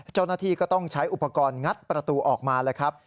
เจ้าหน้าที่ก็ต้องใช้อุปกรณ์งัดประตูออกมาแล้วครับ